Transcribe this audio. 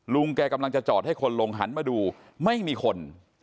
แกกำลังจะจอดให้คนลงหันมาดูไม่มีคน